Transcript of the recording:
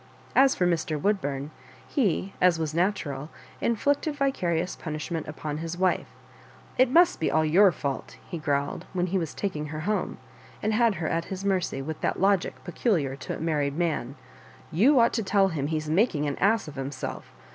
As for Mr. Woodburn, he, as was natural, inflicted vica rious punishment upon his wife. " It must be all your fault," he growled, when he was taking her home, and had her at his mercy, with that logic peculiar to a married man ;you ought to teU him he's making an ass of himself.